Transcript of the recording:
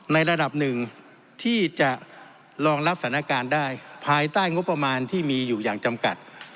ในระดับหนึ่งที่จะรองรับสถานการณ์ได้ภายใต้งบประมาณที่มีอยู่อย่างจำกัด